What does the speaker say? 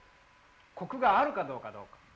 コクがあるかどうかどうか。